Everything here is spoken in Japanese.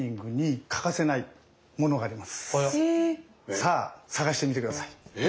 さあ探してみて下さい。